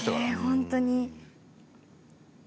本当に。